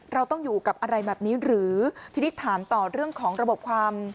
เราต้องอยู่กับอะไรแบบนี้หรือทีนี้ถามต่อเรื่องของระบบความ